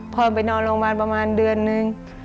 พอไปนอนโรงพยาบาลประมาณเดือนนึง